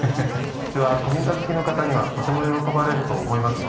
うちは古民家好きの方にはとても喜ばれると思いますよ。